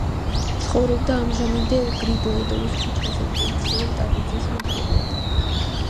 ცხოვრობდა ამჟამინდელ გრიბოედოვის ქუჩაზე, ტიციან ტაბიძის მახლობლად.